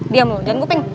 diamlah jangan gue ping